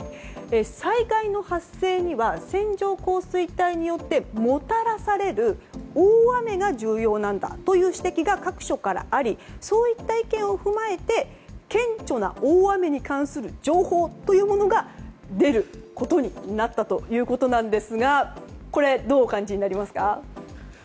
災害の発生には線状降水帯によってもたらされる大雨が重要なんだという指摘が各所からありそういった意見を踏まえて顕著な大雨に関する情報というものが出ることになったということなんですがどうお感じになりますか？